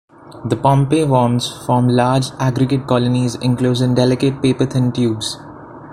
The Pompeii worms form large, aggregate colonies enclosed in delicate, paper-thin tubes.